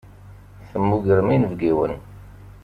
Temmugrem inebgiwen.